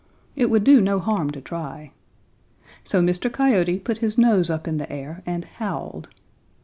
It would do no harm to try. So Mr. Coyote put his nose up in the air and howled.